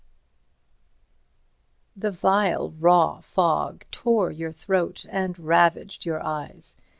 XII The vile, raw fog tore your throat and ravaged your eyes.